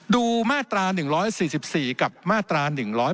มาตรา๑๔๔กับมาตรา๑๔